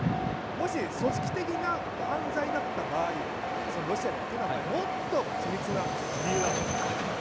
もし組織的な犯罪だった場合ロシアがやってた場合もっと緻密な理由だと思うんです。